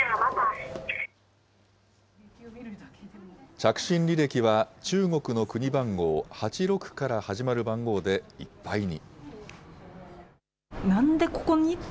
着信履歴は中国の国番号８６から始まる番号でいっぱいに。